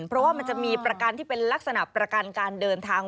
เพราะว่ามันจะมีประกันที่เป็นลักษณะประกันการเดินทาง